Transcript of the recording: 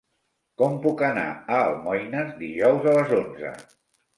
Com puc anar a Almoines dijous a les onze?